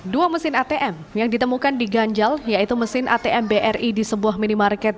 dua mesin atm yang ditemukan di ganjal yaitu mesin atm bri di sebuah minimarket